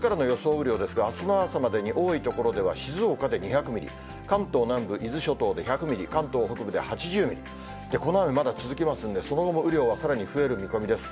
雨量ですが、あすの朝までに多い所では静岡で２００ミリ、関東南部、伊豆諸島で１００ミリ、関東北部で８０ミリ、この雨まだ続きますんで、雨量はさらに増える見込みです。